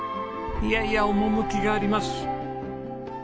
いやいや趣があります。